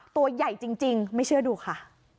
ตัวใหญ่จริงไม่เชื่อดูค่ะ